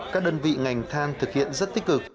các đơn vị ngành thang thực hiện rất tích cực